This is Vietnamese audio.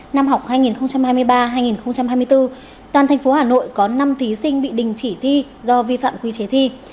năm học hai nghìn hai mươi ba hai nghìn hai mươi bốn toàn thành phố hà nội có năm thí sinh bị đình chỉ thi do vi phạm quy chế thi